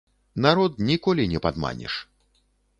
Народ ніколі не падманеш.